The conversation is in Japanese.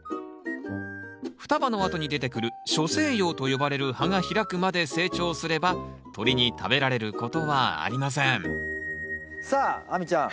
双葉のあとに出てくる初生葉と呼ばれる葉が開くまで成長すれば鳥に食べられることはありませんさあ亜美ちゃん。